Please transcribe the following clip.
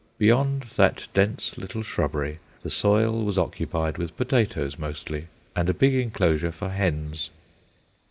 Beyond that dense little shrubbery the soil was occupied with potatoes mostly, and a big enclosure for hens.